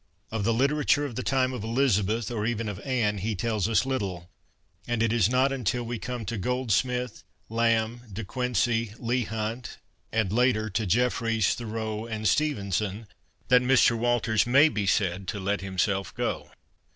Of the literature of the time of Elizabeth, or even of Anne, he tells us little, and it is not until we come to Goldsmith, Lamb, De Quincey, Leigh Hunt, and, later, to Jefferies, Thoreau, and Stevenson, that Mr. Walters may be said to let himself go.